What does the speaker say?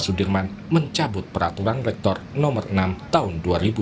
sudirman mencabut peraturan rektor nomor enam tahun dua ribu dua puluh